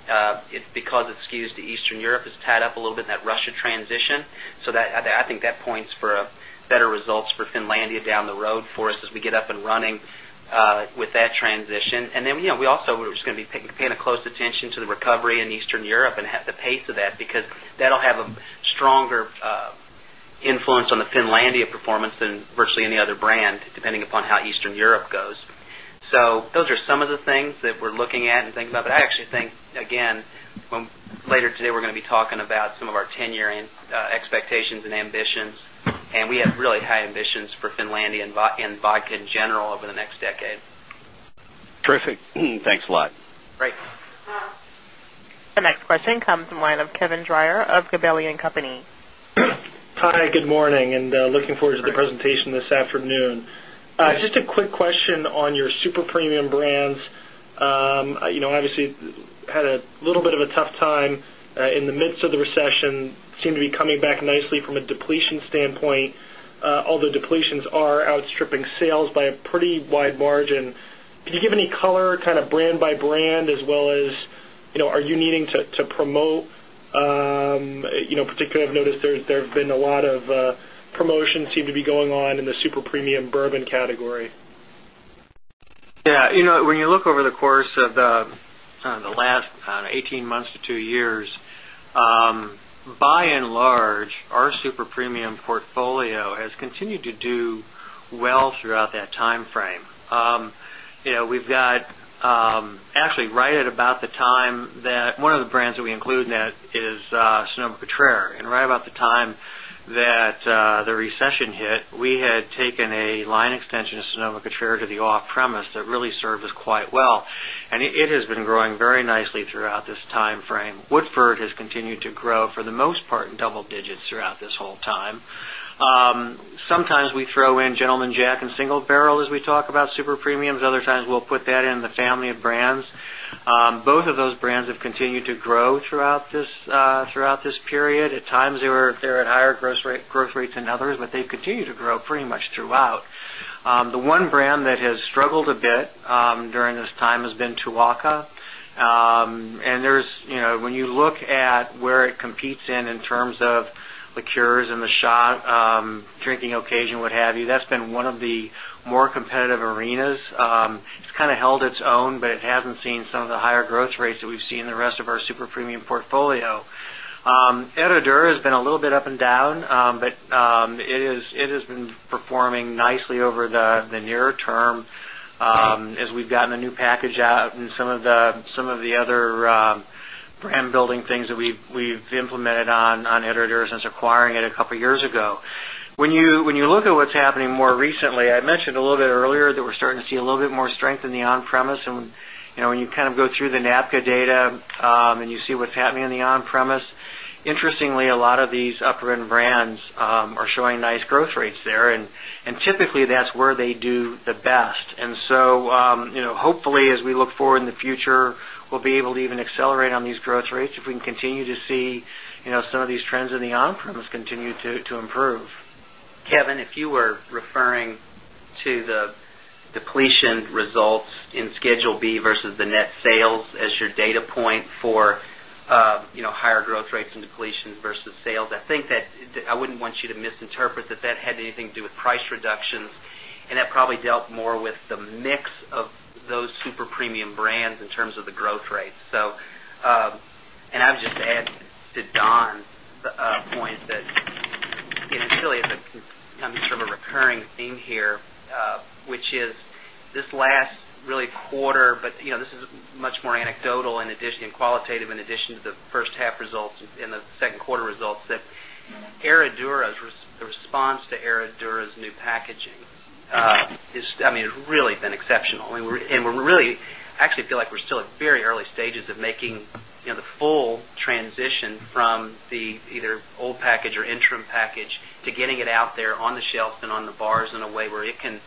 it's because it skews to Eastern Europe is tied up a little bit in that Russia transition. So that I think that points for better results for Finlandia down the road for us as we get up and running with that transition. And then, we also are just going to be paying a close attention to the recovery in Eastern Europe and have the pace of that because that will have a stronger influence on the Finlandia performance than virtually any other brand depending upon how Eastern Europe goes. So, those are some of the things that we're looking at and think about. I actually think again, later today, we're going to be talking about some of our 10 year expectations and ambitions and we have really high ambitions for Finlandia and vodka in general over the next decade. The next question comes from the line of Kevin Dreyer of Gabelli and Company. Hi, good morning and looking forward to the presentation this afternoon. Just a quick question on your super premium brands. Obviously, you had a little bit of a tough time in the midst of the recession, seem to be although depletions are outstripping sales by a pretty wide margin. Could you give any color kind of brand by brand as well as are you needing to promote, particularly I've noticed there's been a lot of promotion seem to be going on in the super premium bourbon category? Yes. When you look over the course of the last 18 months to 2 years, by and large, our super premium actually right at about the time that one of the brands that we include in that is Sonoma a line extension of Sonoma Contrera to the off premise that really served us quite well. And it has been growing very nicely throughout this timeframe. Woodford has continued to grow for the most part in double digits throughout this whole time. Sometimes we throw in Gentleman Jack in Single Barrel as we talk about super premiums, other times we'll put that in the family of brands. Both of those brands have continued to grow throughout this period. At times, they were at higher growth rates than others, but they continue to grow pretty much throughout. The one brand that has struggled a bit during this time has been Tuwaka. And there is when you look at where it competes in, in terms of the cures and the shot, drinking occasion, what have you, that's been one of the more competitive arenas. It's held its own, but it hasn't seen some of the higher growth rates that we've seen in the rest of our super premium portfolio. Edo Dura has been a little bit up and down, but it has been performing nicely over the near term as we've gotten a new package out and some of the other brand building things that we've implemented on Editor since acquiring it a couple of years ago. When you look at what's happening more recently, I mentioned a little bit earlier that we're starting to see a little bit more strength in the on premise. And when you kind of go through the NAPCA data and you see what's happening in the on premise, interestingly, a lot of these upper end brands are showing nice growth rates. Interestingly, a lot of these upper end brands are showing nice growth rates there and typically that's where they do the best. And so, hopefully, as we look forward in the future, we'll be able to even accelerate on these growth rates if we can continue to see some of these trends in the on premise continue to improve. Kevin, if you were referring to the depletion results in Schedule B versus the net sales as your data point for higher growth rates and depletions versus sales. I think that I wouldn't want you to misinterpret that that had anything to do with price reductions and that probably dealt more with the mix of those super premium brands in terms of the growth rates. So, and I would just add to Don's point that in Chile, it's kind of sort of a recurring theme here, which is this last really quarter, but this is much more anecdotal in addition and qualitative in addition to the first half results and the second quarter results that Herradura response to Herradura's new packaging is, I mean, it's really been exceptional. And we're really actually feel we're still at very early stages of making the full transition from the either old package or interim package to getting it out there on the shelf and on the bars in a way where it can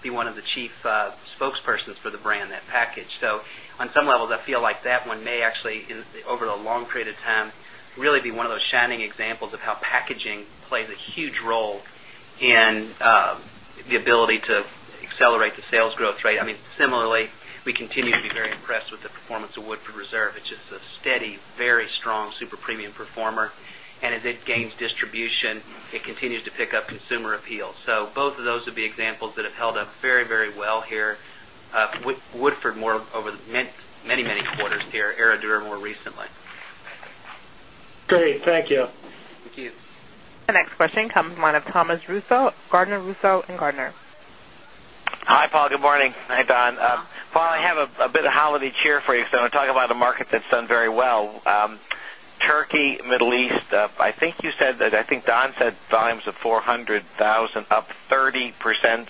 be one of the chief spokespersons for the brand that package. So, on some levels, I feel like that one may actually over the long period of time really be one of those shining examples of how packaging plays a huge role in the ability to accelerate the sales growth rate. I mean similarly, we continue to be very impressed with the performance of Woodford Reserve, which is a steady, very strong super premium performer. And as it gains distribution, it continues to pick up consumer appeal. So both of those would be examples that have held up very, very well here. Woodford more over the many, many quarters here, Herradura more recently. The next question comes from the line of Thomas Russo, Gardner Russo and Gardner. Paul, Good morning. Hi, Don. Paul, I have a bit of holiday cheer for you because I want to talk about the markets that's done very well. Turkey, Middle East, I think you said that I think Don said volumes of 400,000 up 30%.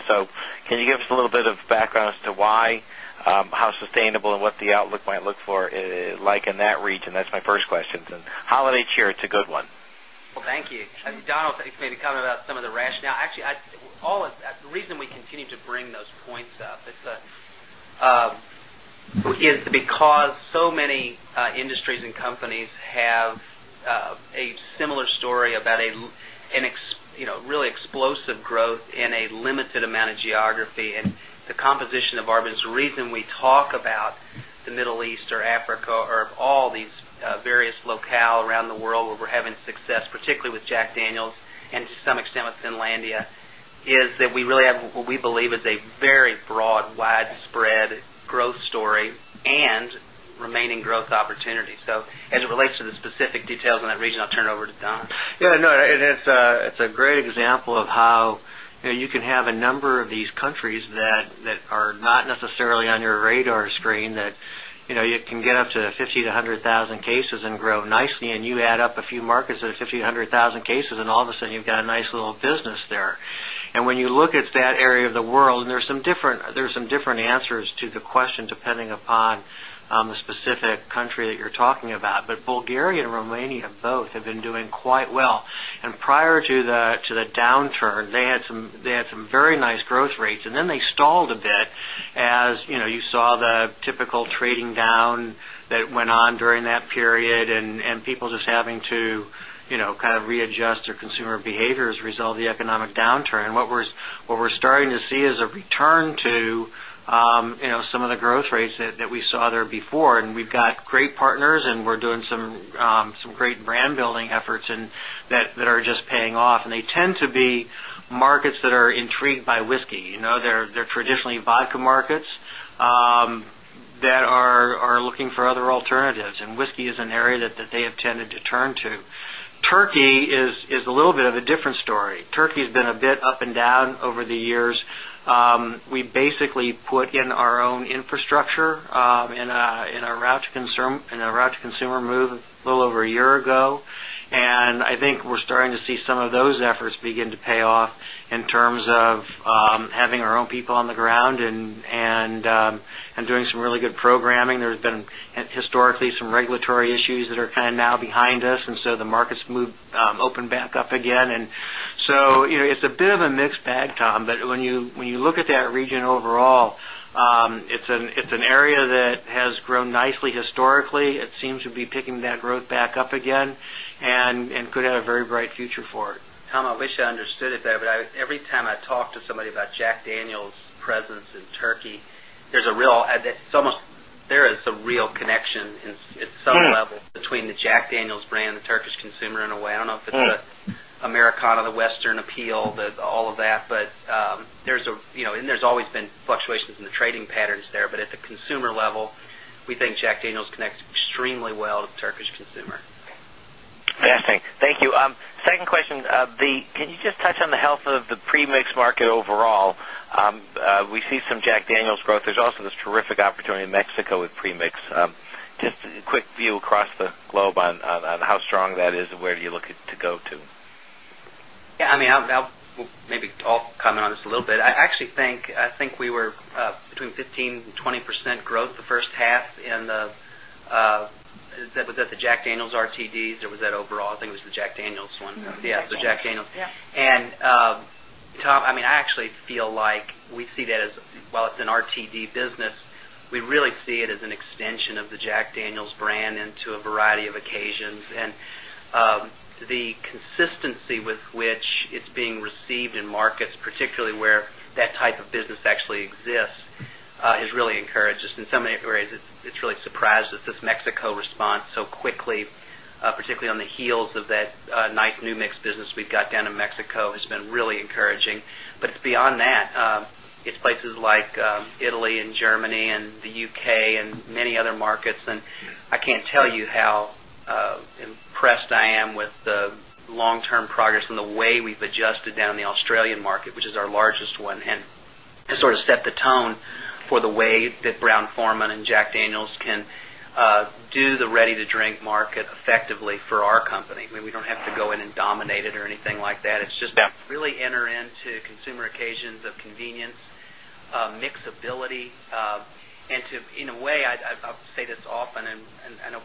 So can you give us a little bit of background as to why, how sustainable and what the outlook might look for like in that region? That's my first question. And holiday cheer, it's a good one. Well, thank you. Donald, I think maybe comment about some of the rationale. Actually, of that, the reason we continue to bring those points up is because so many industries and companies have a similar story about geography The composition of Arboretum is the reason we talk about the Middle East or Africa or all these various around the world where we're having success, particularly with Jack Daniel's and to some extent with Finlandia is that we really have what we believe is a very broad widespread growth story and remaining growth opportunity. So, as it relates to the specific details in that region, I'll turn it over to Don. Yes. No, it's a great example of how you can have a number of these countries that are not necessarily on your radar screen that 50,000 to 100,000 cases and grow nicely and you add up a few markets of 1500,000 cases and all of a sudden you've got a nice little business there. And when you look at that area of the world and there's some different answers to the question depending upon the specific country that you're talking about. But Bulgaria and Romania both have been doing quite well. And prior to the downturn, they had some very nice growth rates and then they stalled a bit as you saw the typical trading down that went on during that period and people just having to kind of readjust their consumer behavior as a result of the economic downturn. What we're starting to see is a return to some of the growth rates that we saw there before and we have got great partners and we are doing some great brand building efforts and that are just paying off and they tend to be markets that are intrigued by whiskey. They're traditionally vodka markets that are looking for other alternatives and whiskey is an area that they have tended to turn to. Turkey is a little bit of a different story. Turkey has been a bit up and down over the years. We basically put in our own infrastructure in a route to consumer move a little over a year ago. And I think we're starting to see some of those efforts begin to pay off in terms of having our own people on the ground and doing some really good programming. There has been historically some regulatory issues that are kind of now behind us and so the markets move open back up again. And so it's a bit of a mixed bag, Tom. But when you look at that region overall, it's an area that has grown nicely historically. It seems to be picking that growth back up again and could have a very bright future for it. Tom, I wish I understood it there, but every time I talk to somebody about Jack Daniel's presence in Turkey, there is a real there is a real connection at some level between the Jack Daniel's brand, the Turkish consumer in a way, I don't know if it's Americana, the Western appeal, all of that. But there's and there's always been fluctuations in the trading patterns there, but at the consumer level, we think Jack Daniels connects extremely well to Turkish consumer. Thank you. Second Can you just touch on the health of the premix market overall? We see some Jack Daniel's growth. There's also this terrific opportunity in Mexico with premix. Just a quick view across the globe on how strong that is and where do you look to go to? Yes, I mean, maybe I'll comment on this a little bit. I actually think we were between 15% 20% growth the first half and that was at the Jack Daniels RTDs or was that overall, I think it was the Jack Daniels one. Yes, the Jack Daniels. Yes. And Tom, I mean, I actually feel like we see that as well as an RTD business, we really see it as an extension of the Jack Daniel's brand into a variety of occasions. And the consistency with which it's being received in markets, particularly where that type of business actually exists is really encouraged. Just in some areas, it's really surprised that this Mexico response so quickly, particularly on the heels of that nice new mix business we've got down in Mexico has been really encouraging. But beyond that, it's places like Italy and Germany and the UK and many other markets. And I can't tell you how impressed I am with the long term progress in the way we've adjusted down the Australian market, which is our largest one and sort of set the tone for the way that Brown Forman and Jack Daniels can do the ready to drink market effectively for our company. I mean, we don't have to go in and dominate it or anything like that. It's just that really enter into consumer occasions of convenience, mix ability and to in a way I'd say this often and I know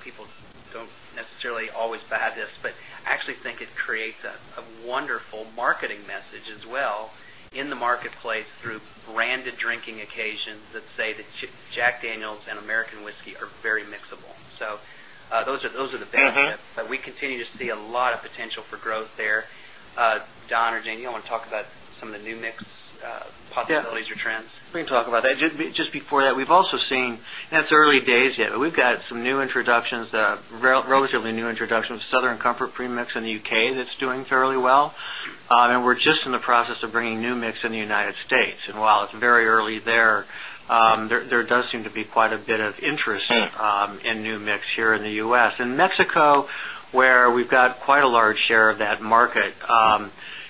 people don't necessarily always bad this, but actually think it creates a wonderful marketing message as well in the marketplace through branded drinking occasions that say that Jack Daniel's and American Whiskey are very mixable. So, those are the benefits, but we continue to see a lot of potential for growth there. Don or Jane, do you want to talk about some of the new mix possibilities or trends? We can talk about that. Just before that, we've also seen and it's early days yet, but we've got some new introductions relatively new introductions Southern Comfort premix in UK that's doing fairly well. And we're just in the process of bringing new mix in the United States. And while it's very early there, there seem to be quite a bit of interest in new mix here in the U. S. In Mexico, where we've got quite a large share of that market,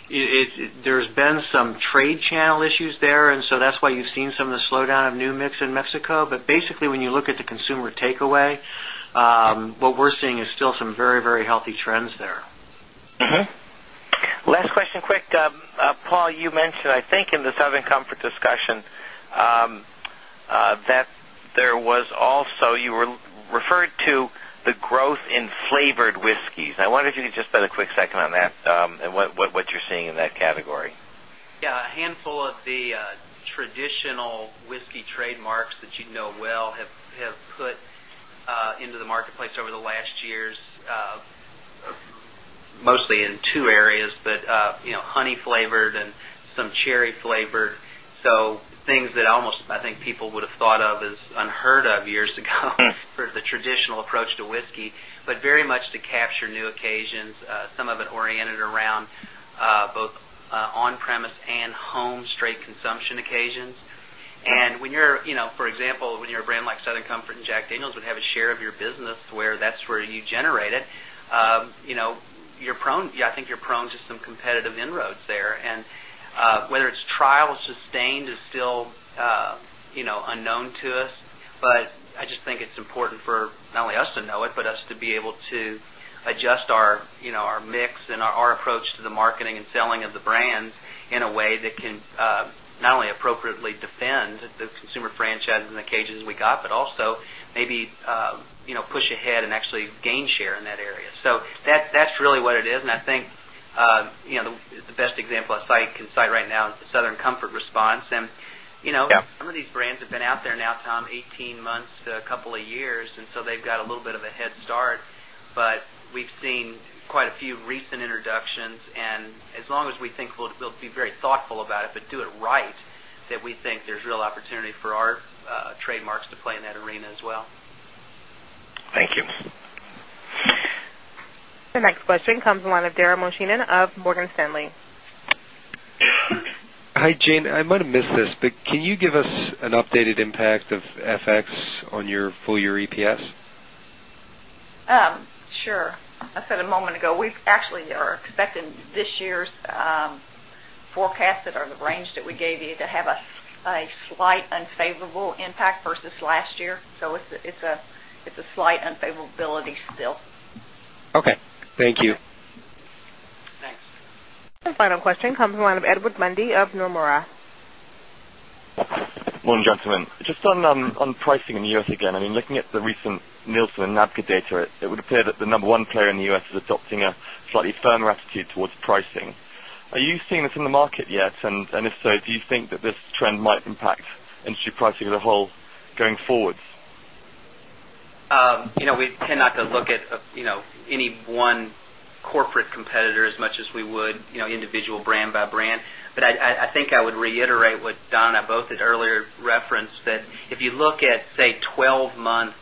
There has been some trade channel issues there and so that's why you've seen some of the slowdown of new mix in Mexico. But basically, when you look at the consumer takeaway, what we're seeing is still some very, very healthy trends there. Last question quick. Paul, you mentioned, I think, in the Southern Comfort whiskeys. I wondered if you could just have a quick second on that and what you're seeing in that category? Yes, handful of the traditional whiskey trademarks that you know well have put into the marketplace over the last years, mostly in 2 areas, but honey flavored and some cherry flavored. So things that almost I think people would have thought of is unheard of years ago for the traditional approach to whiskey, but very much to capture new occasions, some of it oriented around both on premise and home straight consumption occasions. And when you're for example, when you're a brand like Southern Comfort and Jack Daniels would have a share of your business where that's where you generated, you're prone yes, I think you're prone to some competitive inroads there. And whether it's trial sustained is still unknown to us, but I just think it's important for not only us to know it, but us to be able to adjust our mix and our approach to the marketing and selling of the brands in a way that can not only appropriately defend consumer franchise in the cages we got, but also maybe push ahead and actually gain share in that area. So, that's really what it is. And I think the best example I can cite right now is the Southern Comfort response. And some of these brands have been out there now, Tom, 18 months to a couple of years. And so, they've got a little bit of a head start. But we've seen quite a few recent introductions and as long as we think we'll be very thoughtful about it, but do it right that we think there's real opportunity for our trademarks to play in that arena as well. Thank you. The next question from the line of Dara Mohsenian of Morgan Stanley. Hi, Jane. I might have missed this, but can you give us an updated impact of FX on your full year EPS? Sure. I said a moment ago, we actually are expecting this year's forecasted or the range that we gave you to have a slight unfavorable impact versus last year. So it's a slight unfavorability still. Okay. Thank you. Thanks. The final question comes from the line of Edward Mundy of Nomura. Good morning, gentlemen. Just on pricing in U. S. Again, I mean, looking at the recent Nielsen and NABCA data, it would appear that the number one player in the U. S. Is adopting a slightly firmer attitude towards pricing. Are you seeing this in the market yet? And if so, do you think that this trend might impact pricing as a whole going forward? We cannot look at any one corporate competitor as much as we would individual brand by brand. But I think I would reiterate what Donna both had earlier referenced that if you look at say 12 month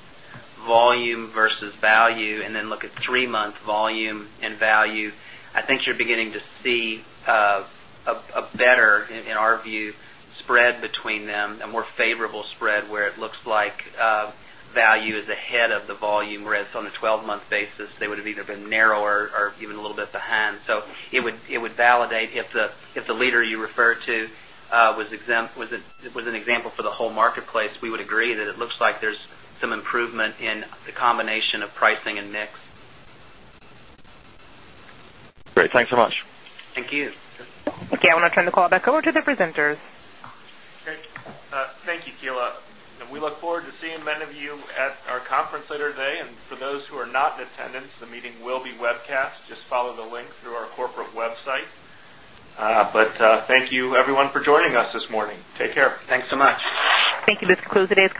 volume versus value and then look at 3 month volume and value, I think you're beginning to see a better in our view spread between them and more favorable spread where it looks like value is ahead of the volume where it's on a 12 month basis, they would have either been narrower or even a little bit behind. So, it would validate if the leader you referred to was an example for the whole marketplace, we would agree that it looks like there is some improvement in the combination of pricing and mix. Okay, I will turn the call back over to the presenters. Okay. Thank you, Keila. We look forward to seeing many of you at our conference later today. And for those who are not in attendance, the will be webcast. Just follow the link through our corporate website. But thank you everyone for joining us this morning. Take care. Thanks so much. Thank you. This concludes today's